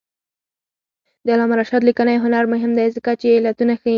د علامه رشاد لیکنی هنر مهم دی ځکه چې علتونه ښيي.